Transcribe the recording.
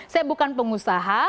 saya bukan pengusaha